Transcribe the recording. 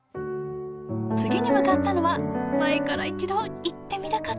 次に向かったのは前から一度行ってみたかった場所です。